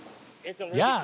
やあ！